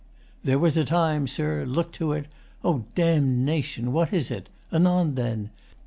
There was a time, Sir, look to 't! O damnation! What is 't? Anon then!